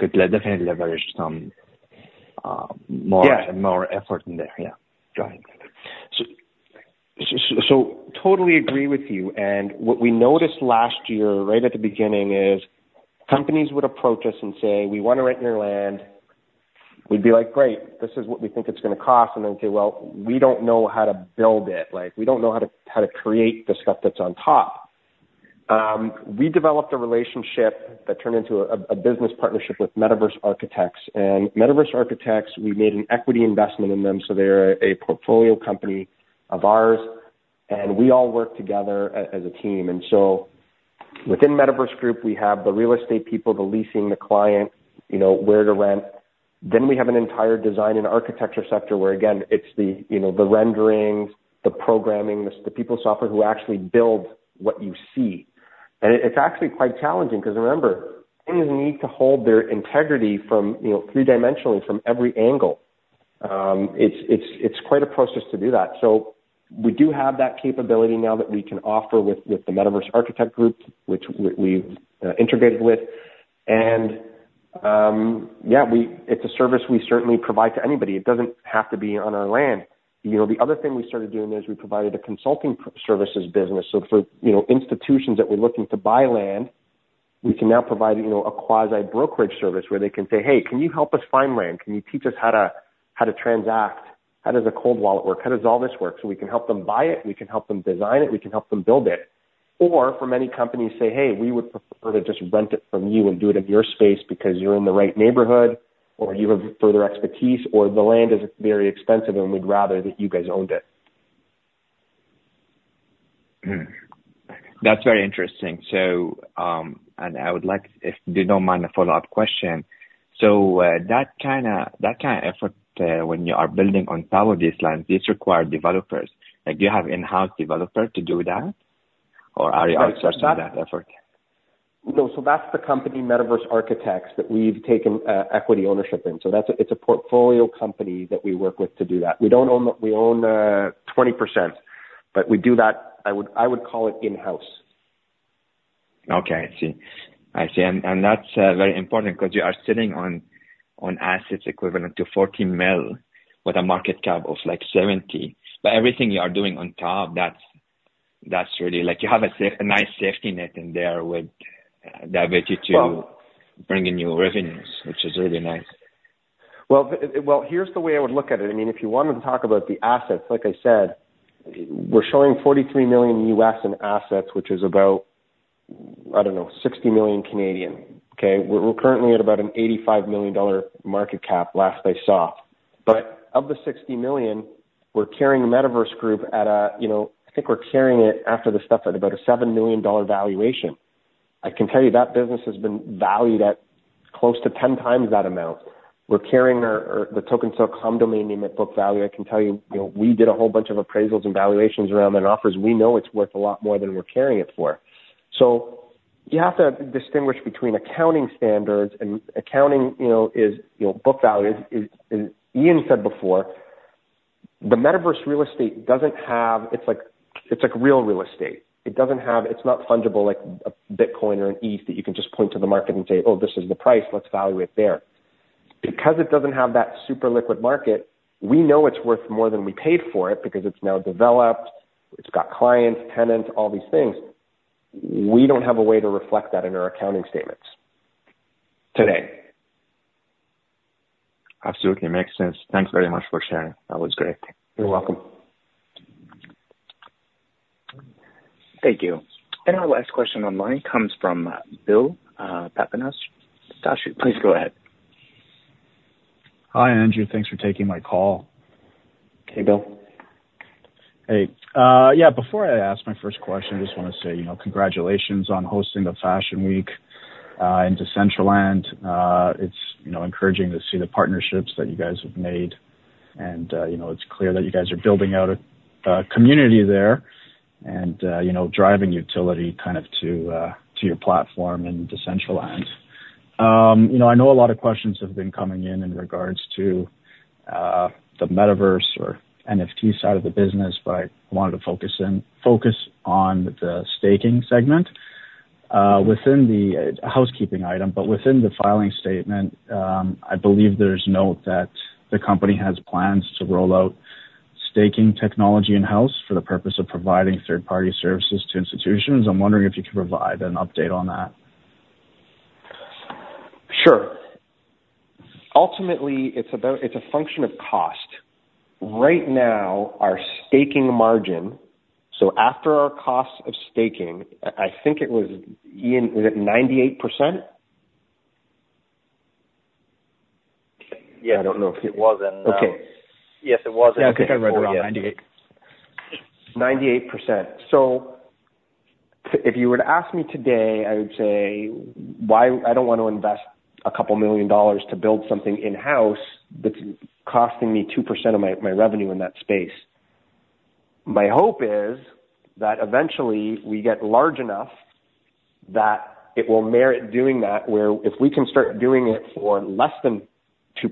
Speaker 10: could definitely leverage some more.
Speaker 2: Yeah.
Speaker 10: More effort in there. Yeah. Go ahead.
Speaker 2: Totally agree with you. What we noticed last year right at the beginning is companies would approach us and say, "We wanna rent your land." We'd be like, "Great. This is what we think it's gonna cost." They'd say, "Well, we don't know how to build it." Like, "We don't know how to create the stuff that's on top." We developed a relationship that turned into a business partnership with Metaverse Architects. Metaverse Architects, we made an equity investment in them, so they're a portfolio company of ours, and we all work together as a team. Within Metaverse Group, we have the real estate people, the leasing, the client, you know, where to rent. We have an entire design and architecture sector where again, it's the renderings, the programming, the software, the people who actually build what you see. It's actually quite challenging because remember, things need to hold their integrity three-dimensionally from every angle. It's quite a process to do that. We do have that capability now that we can offer with the Metaverse Architects group, which we integrated with. It's a service we certainly provide to anybody. It doesn't have to be on our land. The other thing we started doing is we provided a consulting services business. For, you know, institutions that were looking to buy land, we can now provide, you know, a quasi brokerage service where they can say, "Hey, can you help us find land? Can you teach us how to, how to transact? How does a cold wallet work? How does all this work?" We can help them buy it, we can help them design it, we can help them build it. For many companies say, "Hey, we would prefer to just rent it from you and do it in your space because you're in the right neighborhood, or you have further expertise, or the land is very expensive and we'd rather that you guys owned it.
Speaker 10: That's very interesting. I would like, if you don't mind, a follow-up question. That kinda effort, when you are building on top of these lands, these require developers. Like, do you have in-house developer to do that? Or are you outsourcing that effort?
Speaker 2: No. That's the company, Metaverse Architects, that we've taken equity ownership in. That's a portfolio company that we work with to do that. We own 20%, but we do that. I would call it in-house.
Speaker 10: Okay. I see. That's very important because you are sitting on assets equivalent to 40 million with a market cap of like 70. Everything you are doing on top, that's really like you have a nice safety net in there with the ability to.
Speaker 2: Well.
Speaker 10: Bring in new revenues, which is really nice.
Speaker 2: Well, here's the way I would look at it. I mean, if you wanted to talk about the assets, like I said, we're showing $43 million US in assets, which is about, I don't know, 60 million, okay? We're currently at about a 85 million dollar market cap last I saw. Of the 60 million, we're carrying the Metaverse Group at, you know, I think we're carrying it after the stuff at about a 7 million dollar valuation. I can tell you that business has been valued at close to 10 times that amount. We're carrying our Tokens.com domain name at book value. I can tell you know, we did a whole bunch of appraisals and valuations around those offers. We know it's worth a lot more than we're carrying it for. You have to distinguish between accounting standards and accounting, you know, book value is as Ian said before, the metaverse real estate doesn't have. It's like real estate. It doesn't have, it's not fungible like a Bitcoin or an ETH that you can just point to the market and say, "Oh, this is the price, let's value it there." Because it doesn't have that super liquid market, we know it's worth more than we paid for it because it's now developed. It's got clients, tenants, all these things. We don't have a way to reflect that in our accounting statements today.
Speaker 10: Absolutely. Makes sense. Thanks very much for sharing. That was great.
Speaker 2: You're welcome.
Speaker 1: Thank you. Our last question on the line comes from Bill Papanas. Please go ahead.
Speaker 11: Hi, Andrew. Thanks for taking my call.
Speaker 2: Hey, Bill.
Speaker 11: Hey. Yeah, before I ask my first question, I just wanna say, you know, congratulations on hosting the Fashion Week in Decentraland. It's, you know, encouraging to see the partnerships that you guys have made. You know, it's clear that you guys are building out a community there and, you know, driving utility to your platform in Decentraland. You know, I know a lot of questions have been coming in in regards to the Metaverse or NFT side of the business, but I wanted to focus on the staking segment. Within the housekeeping item, but within the filing statement, I believe there's a note that the company has plans to roll out staking technology in-house for the purpose of providing third-party services to institutions. I'm wondering if you could provide an update on that.
Speaker 2: Sure. Ultimately, it's about, it's a function of cost. Right now, our staking margin, so after our cost of staking, I think it was Ian, was it 98%?
Speaker 3: Yes. I don't know if. It was. Okay. Yes, it was.
Speaker 2: Yeah, I think I read that right, 98. 98%. If you were to ask me today, I would say why I don't want to invest $2 million to build something in-house that's costing me 2% of my revenue in that space. My hope is that eventually we get large enough that it will merit doing that, where if we can start doing it for less than 2%,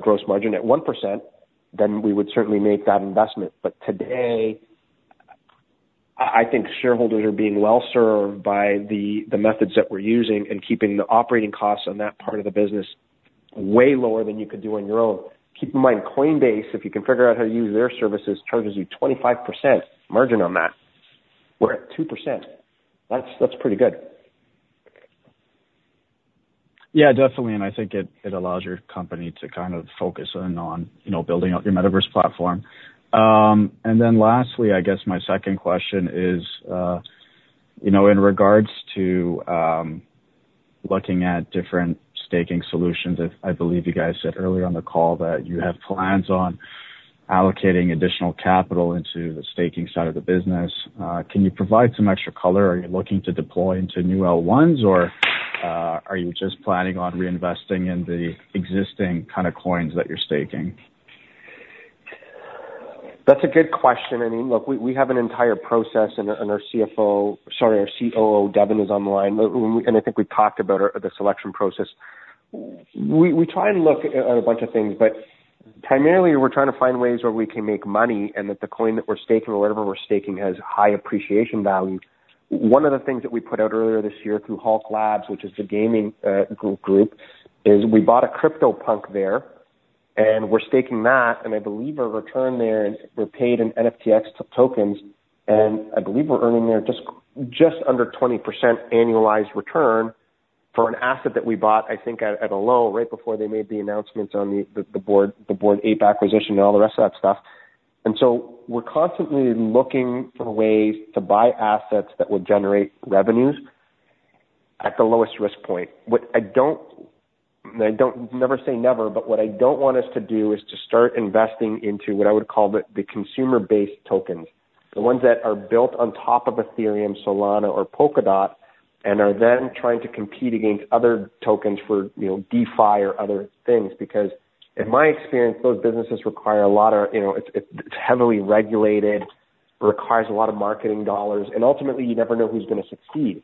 Speaker 2: gross margin at 1%, then we would certainly make that investment. Today, I think shareholders are being well served by the methods that we're using and keeping the operating costs on that part of the business way lower than you could do on your own. Keep in mind, Coinbase, if you can figure out how to use their services, charges you 25% margin on that. We're at 2%. That's pretty good.
Speaker 11: Yeah, definitely. I think it allows your company to kind of focus in on, you know, building out your Metaverse platform. Lastly, I guess my second question is, you know, in regards to looking at different staking solutions. I believe you guys said earlier on the call that you have plans on allocating additional capital into the staking side of the business. Can you provide some extra color? Are you looking to deploy into new L1s or are you just planning on reinvesting in the existing kinda coins that you're staking?
Speaker 2: That's a good question. I mean, look, we have an entire process and our CFO, sorry, our COO, Devin, is on the line. I think we've talked about our the selection process. We try and look at a bunch of things, but primarily we're trying to find ways where we can make money and that the coin that we're staking or whatever we're staking has high appreciation value. One of the things that we put out earlier this year through Hulk Labs, which is the gaming group, is we bought a CryptoPunk there, and we're staking that. I believe our return there is we're paid in NFTX tokens, and I believe we're earning there just under 20% annualized return for an asset that we bought, I think at a low rate before they made the announcements on the Bored Ape acquisition and all the rest of that stuff. We're constantly looking for ways to buy assets that will generate revenues at the lowest risk point. I don't never say never, but what I don't want us to do is to start investing into what I would call the consumer-based tokens, the ones that are built on top of Ethereum, Solana or Polkadot, and are then trying to compete against other tokens for, you know, DeFi or other things. Because in my experience, those businesses require a lot of, you know, it's heavily regulated, requires a lot of marketing dollars, and ultimately, you never know who's gonna succeed.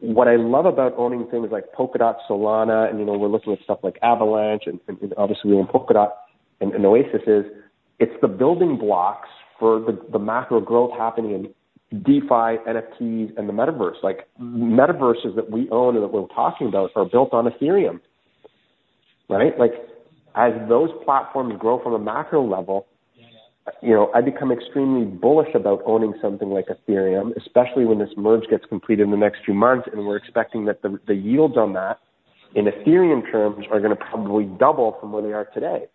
Speaker 2: What I love about owning things like Polkadot, Solana, and you know, we're looking at stuff like Avalanche and obviously we own Polkadot and Oasis, it's the building blocks for the macro growth happening in DeFi, NFTs and the Metaverse. Like, Metaverses that we own and that we're talking about are built on Ethereum, right? Like, as those platforms grow from a macro level.
Speaker 11: Yeah.
Speaker 2: You know, I become extremely bullish about owning something like Ethereum, especially when this merge gets completed in the next few months, and we're expecting that the yields on that in Ethereum terms are gonna probably double from where they are today.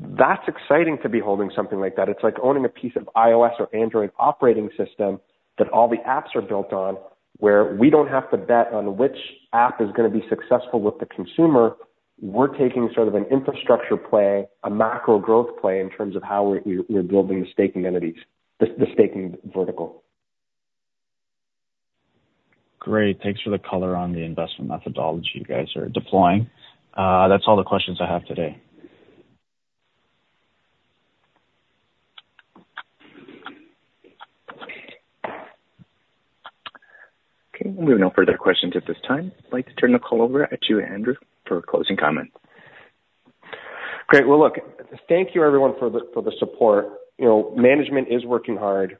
Speaker 2: That's exciting to be holding something like that. It's like owning a piece of iOS or Android operating system that all the apps are built on, where we don't have to bet on which app is gonna be successful with the consumer. We're taking sort of an infrastructure play, a macro growth play in terms of how we're building the staking entities, the staking vertical.
Speaker 11: Great. Thanks for the color on the investment methodology you guys are deploying. That's all the questions I have today.
Speaker 1: Okay, we have no further questions at this time. I'd like to turn the call over to you, Andrew, for closing comments.
Speaker 2: Great. Well, look, thank you everyone for the support. You know, management is working hard.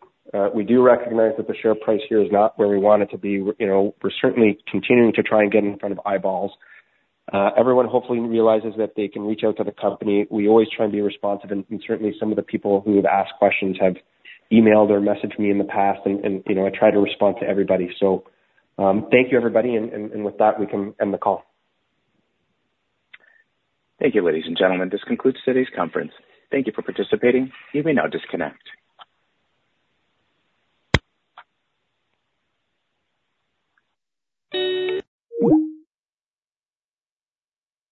Speaker 2: We do recognize that the share price here is not where we want it to be. You know, we're certainly continuing to try and get in front of eyeballs. Everyone hopefully realizes that they can reach out to the company. We always try and be responsive, and certainly some of the people who have asked questions have emailed or messaged me in the past and, you know, I try to respond to everybody. Thank you everybody and with that, we can end the call.
Speaker 1: Thank you, ladies and gentlemen. This concludes today's conference. Thank you for participating. You may now disconnect.